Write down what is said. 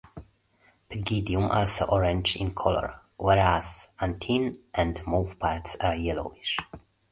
Pygidium also orange in color whereas antennae and mouthparts are yellowish.